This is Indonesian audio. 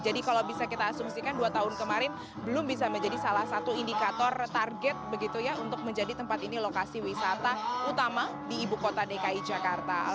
jadi kalau bisa kita asumsikan dua tahun kemarin belum bisa menjadi salah satu indikator target begitu ya untuk menjadi tempat ini lokasi wisata utama di ibukota dki jakarta